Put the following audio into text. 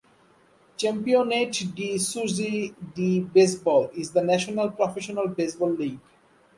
Championnat de Suisse de baseball is the national professional baseball league.